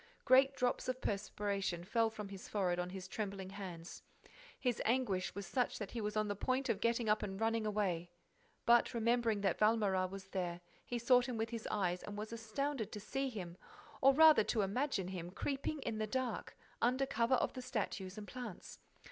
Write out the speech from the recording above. Great drops of perspiration fell from his forehead on his trembling hands. His anguish was such that he was on the point of getting up and running away—But, remembering that Valméras was there, he sought him with his eyes and was astounded to see him, or rather to imagine him, creeping in the dark, under cover of the statues and plants.